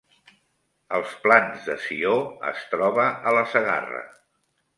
Els Plans de Sió es troba a la Segarra